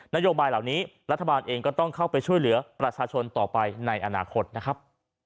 นโยบายเหล่านี้รัฐบาลเองก็ต้องเข้าไปช่วยเหลือประชาชนต่อไปในอนาคตนะครับ